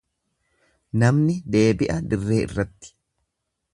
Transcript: Namni deebi'a dirree irratti.